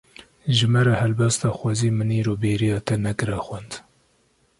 Ji me re helbesta "Xwezî min îro bêriya te nekira" xwend